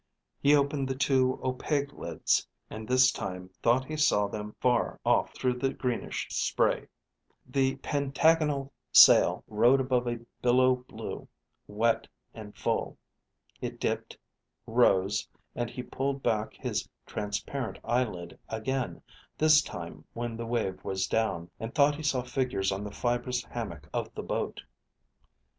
He opened the two opaque lids, and this time thought he saw them far off through the greenish spray. The pentagonal sail rode above a billow blue, wet, and full. It dipped, rose, and he pulled back his transparent eyelid again, this time when the wave was down, and thought he saw figures on the fibrous hammock of the boat.